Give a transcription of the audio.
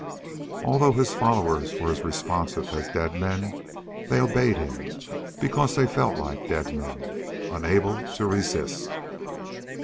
Although his followers were as responsive as dead men, they obeyed him because they felt like dead men, unable to resist.